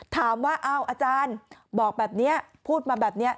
ถามว่าอ้าวอาจารย์บอกแบบนี้พูดมาแบบนี้